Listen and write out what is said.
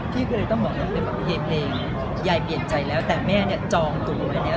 พี่ก็เลยต้องบอกว่าโอเคเพลงยายเปลี่ยนใจแล้วแต่แม่เนี่ยจองตัวไว้แล้ว